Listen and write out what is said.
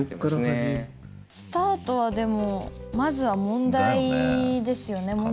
スタートはでもまずは問題ですよね